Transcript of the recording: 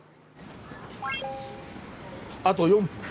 あと４分。